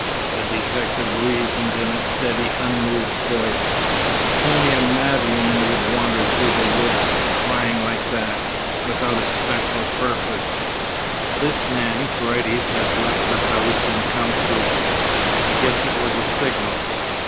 The detective reasoned in a steady unmoved voice: "Only a mad woman would wander through the woods, crying like that without a special purpose. This man Paredes has left the house and come through here. I'd guess it was a signal."